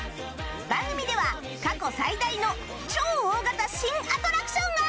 番組では過去最大の超大型新アトラクションが！